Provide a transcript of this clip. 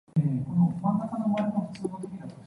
呢個時候打靶都有嘅？